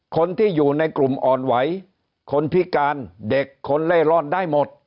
คนที่อยู่ในกลุ่มอ่อนไหวคนพิการเด็กคนเล่ร่อนได้หมด